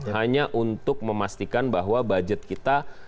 hanya untuk memastikan bahwa budget kita